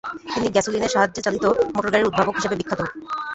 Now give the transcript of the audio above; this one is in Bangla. তিনি গ্যাসোলিনের সাহায্যে চালিত মোটরগাড়ির উদ্ভাবক হিসেবে বিখ্যাত।